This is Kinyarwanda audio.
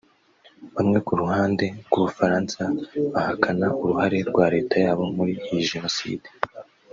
Bamwe ku ruhande rw’Ubufaransa bahakana uruhare rwa Leta yabo muri iyi Jenoside